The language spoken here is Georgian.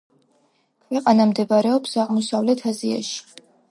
ქვეყანა მდებარეობს აღმოსავლეთ აზიაში.